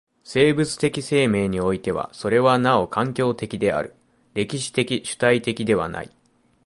生物的生命においてはそれはなお環境的である、歴史的主体的ではない。